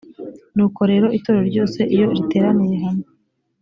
nuko rero itorero ryose iyo riteraniye hamwe